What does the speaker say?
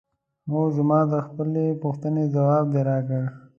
هو زما د خپلې پوښتنې ځواب دې راکړ؟